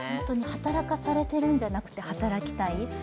働かされているんじゃなくて、働きたい。